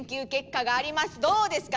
どうですか？